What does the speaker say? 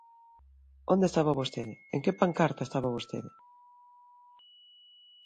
¿Onde estaba vostede?, ¿en que pancarta estaba vostede?